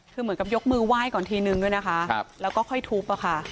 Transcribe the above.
คือเหมือนกับยกมือไหว้ก่อนทีนึงด้วยนะคะแล้วก็ค่อยทุบอะค่ะ